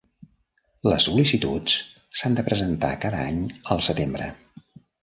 Les sol·licituds s'han de presentar cada any al setembre